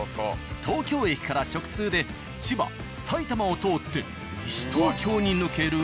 東京駅から直通で千葉埼玉を通って西東京に抜ける。